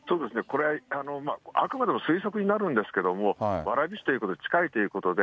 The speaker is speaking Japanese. これ、あくまでも推測になるんですけども、蕨市ということで、近いということで、